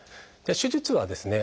手術はですね